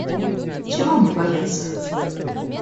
Чего мне бояться?